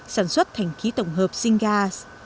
sản xuất thành khí tổng hợp xin gas